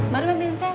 baru mbak pilihin saya